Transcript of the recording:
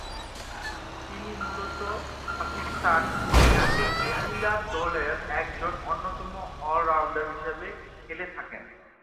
তিনি মুলত পাকিস্তান জাতীয় মহিলা দলের একজন অন্যতম অল-রাউন্ডার হিসেবে খেলে থাকেন।